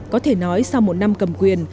có thể nói sau một năm cầm quyền